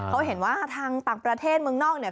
เขาเห็นว่าทางต่างประเทศเมืองนอกเนี่ย